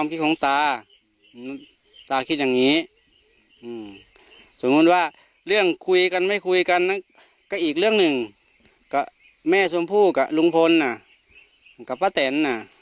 วก็อีกเรื่องนึงกับแม่ชมพูกับรุงพลอ่ะแต๋นอ่ะ